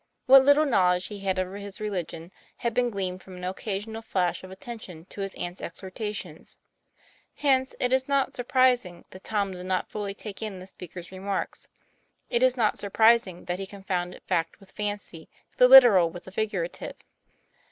What lit tle knowledge he had of his religion had been gleaned from an occasional flash of attention to his aunt's ex hortations. Hence it is not surprising that Tom did not fully take in the speaker's remarks; it is not surprising that he confounded fact with fancy, the literal with the figurative.